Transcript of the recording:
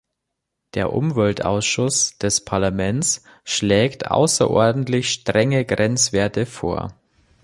Der Umweltausschuss des Parlaments schlägt außerordentlich strenge Grenzwerte vor.